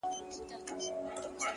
پوره اتلس سوه کاله چي خندا ورکړه خو’